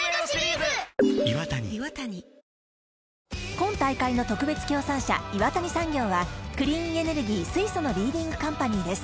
今大会の特別協賛社岩谷産業はクリーンエネルギー水素のリーディングカンパニーです